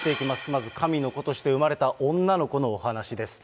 まず神の子として生まれた女の子のお話です。